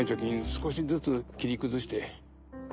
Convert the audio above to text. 少しずつ切り崩して。